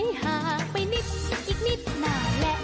ห่างไปนิดอีกนิดนานแล้ว